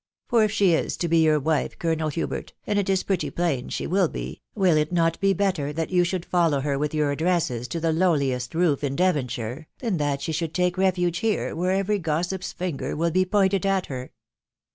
for if she is to be your wife, Colonel Hubert, and it is pretty plain she will be, will it not be better that you should follow her with your addresses to the lowliest roof in Devonshire, than that she should take refuge here where every gossip's finger will be pointed at her?